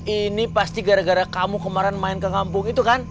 ini pasti gara gara kamu kemarin main ke kampung itu kan